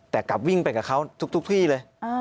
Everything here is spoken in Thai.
แต่กลับวิ่งไปกับเขาทุกที่เลย